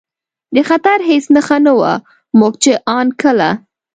د خطر هېڅ نښه نه وه، موږ چې ان کله.